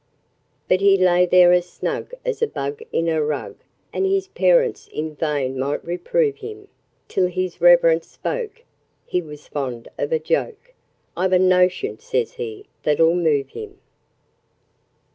But he lay there as snug as a bug in a rug, And his parents in vain might reprove him, Till his reverence spoke (he was fond of a joke) 'I've a notion,' says he, 'that'll move him.'